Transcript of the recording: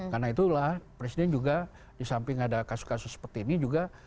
karena itulah presiden juga di samping ada kasus kasus seperti ini juga